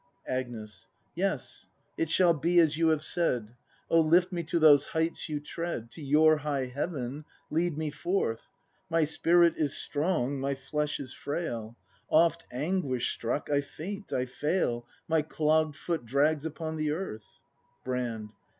Agnes. Yes, it shall be as you have said; O lift me to those heights you tread; To your high heaven lead me forth. My spirit is strong, my flesh is frail; Oft, anguish struck, I faint, I fail, — My clogg'd foot drags upon the earth. Brand.